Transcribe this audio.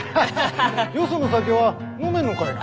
よその酒は飲めんのかいな？